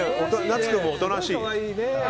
なつ君もおとなしい。